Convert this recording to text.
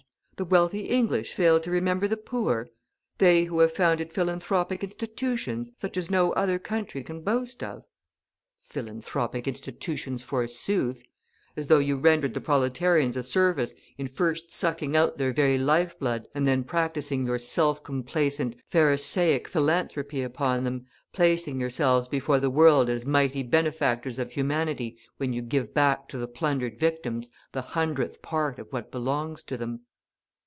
The wealthy English fail to remember the poor? They who have founded philanthropic institutions, such as no other country can boast of! Philanthropic institutions forsooth! As though you rendered the proletarians a service in first sucking out their very life blood and then practising your self complacent, Pharisaic philanthropy upon them, placing yourselves before the world as mighty benefactors of humanity when you give back to the plundered victims the hundredth part of what belongs to them!